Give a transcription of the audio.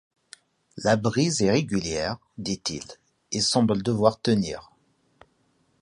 La brise est régulière, dit-il, et semble devoir tenir.